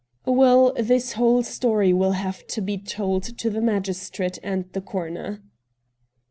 ' Well, this whole story will have to be told to the magistrate and the coroner.'